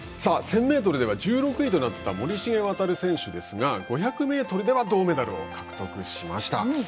１０００ｍでは１６位となった森重航選手ですが５００ｍでは銅メダルを獲得しました。